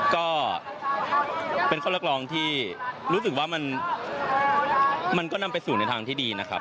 ก็เป็นข้อเรียกร้องที่รู้สึกว่ามันก็นำไปสู่ในทางที่ดีนะครับ